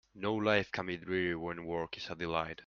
No life can be dreary when work is a delight.